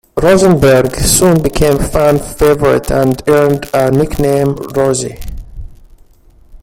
Rosenberg soon became fan favourite and earned a nickname "Rosi".